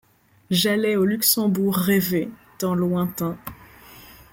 J'allais au Luxembourg rêver, temps lointain